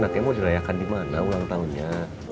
kamu dirayakan di mana ulang tahunnya